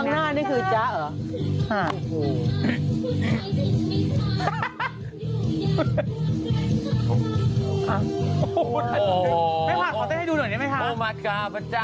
ข้างหน้านี่คือจ๊ะเหรอจ๊ะ